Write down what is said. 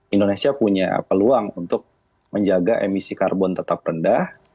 indonesia punya peluang untuk menjaga emisi karbon tetap rendah